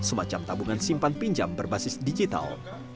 ini semacam tabungan simpan pinjam berbasis digital